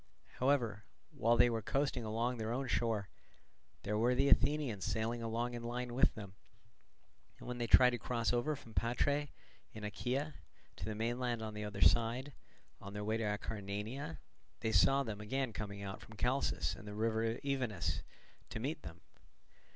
However, while they were coasting along their own shore, there were the Athenians sailing along in line with them; and when they tried to cross over from Patrae in Achaea to the mainland on the other side, on their way to Acarnania, they saw them again coming out from Chalcis and the river Evenus to meet them.